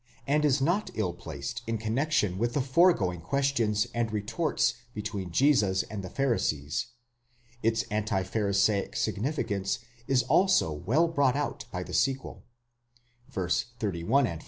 and is not ill placed in connexion with the foregoing questions and retorts between Jesus and the Pharisees ; its anti Pharisaic significance is also well brought out by the sequel (31 f.).